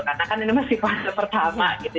karena kan ini masih puasa pertama gitu